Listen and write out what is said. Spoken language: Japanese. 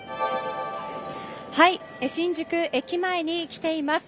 新宿駅前に来ています。